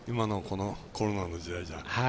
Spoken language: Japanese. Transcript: コロナの時代じゃ。